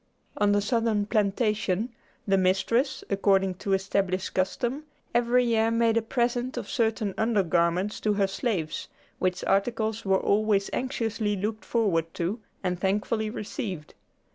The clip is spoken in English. On the Southern plantation, the mistress, according to established custom, every year made a present of certain under garments to her slaves, which articles were always anxiously looked forward to, and thankfully received.